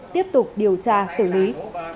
tiếp tục điều tra xử lý